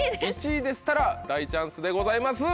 １位でしたら大チャンスでございます。